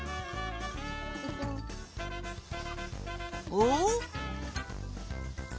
おっ？